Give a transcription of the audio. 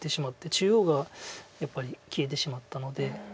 中央がやっぱり消えてしまったので。